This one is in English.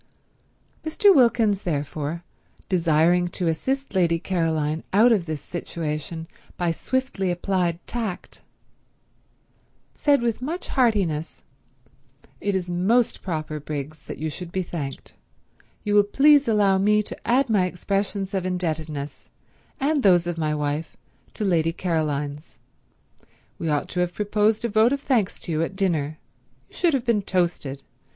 Mr. Wilkins therefore, desiring to assist Lady Caroline out of this situation by swiftly applied tact, said with much heartiness: "It is most proper, Briggs, that you should be thanked. You will please allow me to add my expressions of indebtedness, and those of my wife, to Lady Caroline's. We ought to have proposed a vote of thanks to you at dinner. You should have been toasted.